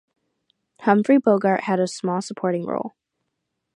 Humphrey Bogart had a small supporting role.